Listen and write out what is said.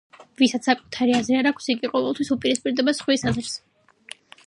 ვისაც საკუთარი აზრი არა აქვს, იგი ყოველთვის უპირისპირდება სხვის აზრს.” – ჟან დელაბერი.